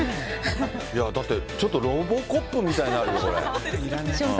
だって、ちょっとロボコップみたいになるよ、これ。